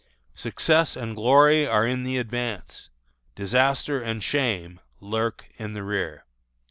Success and glory are in the advance. Disaster and shame lurk in the rear."